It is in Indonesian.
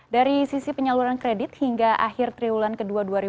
dari sisi penyaluran kredit hingga akhir triwulan ke dua dua ribu dua puluh